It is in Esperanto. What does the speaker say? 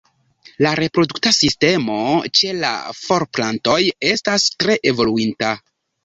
La reprodukta sistemo ĉe la florplantoj estas tre evoluinta.